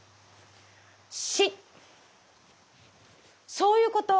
そういうこと。